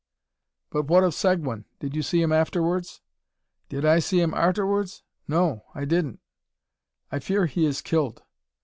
"But what of Seguin? Did you see him afterwards?" "Did I see him arterwards? No; I didn't." "I fear he is killed."